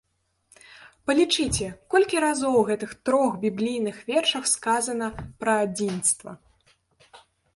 Палічыце, колькі разоў у гэтых трох біблійных вершах сказана пра адзінства!